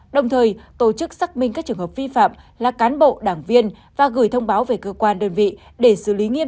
đồng thời tổ chức xác minh các trường hợp vi phạm là cán bộ đảng viên và gửi thông báo về cơ quan đơn vị để xử lý nghiêm